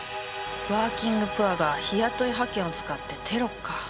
ワーキングプアが日雇い派遣を使ってテロか。